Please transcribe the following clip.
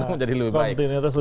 kontinuitas lebih baik